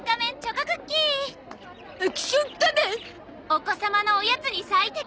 お子様のおやつに最適。